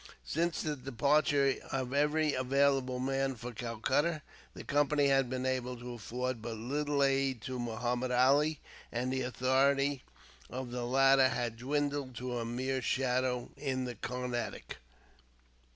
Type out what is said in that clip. Since the departure of every available man for Calcutta, the Company had been able to afford but little aid to Muhammud Ali, and the authority of the latter had dwindled to a mere shadow, in the Carnatic.